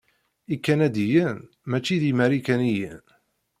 Ikanadiyen maci d imarikaniyen.